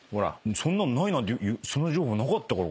そんなのないなんてその情報なかったから。